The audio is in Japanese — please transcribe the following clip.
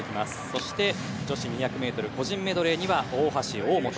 そして女子２００ｍ個人メドレーには大橋、大本。